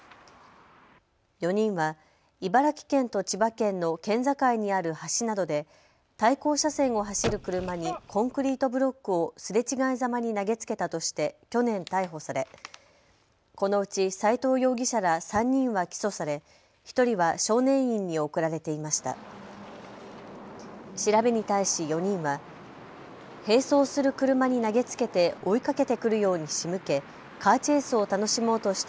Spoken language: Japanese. ４人は茨城県と千葉県の県境にある橋などで対向車線を走る車にコンクリートブロックをすれ違いざまに投げつけたとして去年、逮捕されこのうち斉藤容疑者ら３人は起訴され、１人は少年院に送られていました。